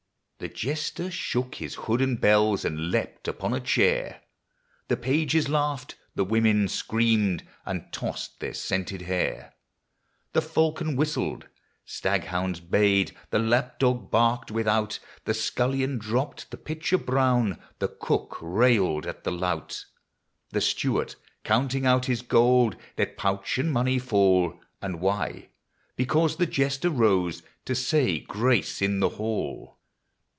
The Jester shook his hood and bells, and leaped upon a chair ; The pages laughed, the women screamed, and tossed their scented hair ; The falcon whistled, staghounds bayed, the lapdog barked without, The scullion dropped the pitcher brown, the cook railed at the lout ; LIFE. 273 The steward, counting out his gold, let pouch and money fall, — And why ? because the Jester rose to say grace in the hall